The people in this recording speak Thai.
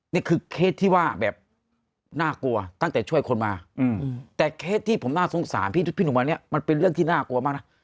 เคสที่ว่าแบบน่ากลัวตั้งแต่ช่วยคนมาแต่เคสที่ผมน่าสงสารพี่หนุ่มวันนี้มันเป็นเรื่องที่น่ากลัวมากนะ